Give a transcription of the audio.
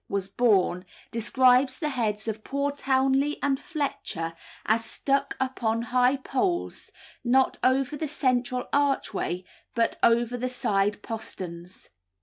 was born, describes the heads of poor Townley and Fletcher as stuck up on high poles, not over the central archway, but over the side posterns.